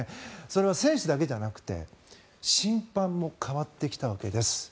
それは選手だけじゃなくて審判も変わってきたわけです。